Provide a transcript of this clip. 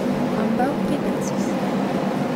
Ambaŭ pripensis.